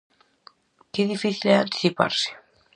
Que difícil é anticiparse.